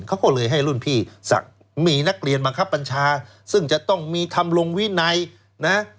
เขาก็เลยให้รุ่นพี่ศักดิ์มีนักเรียนบังคับบัญชาซึ่งจะต้องมีทำลงวินัยนะ